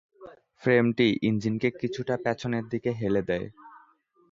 ফ্রেমটি ইঞ্জিনকে কিছুটা পেছনের দিকে হেলে দেয়।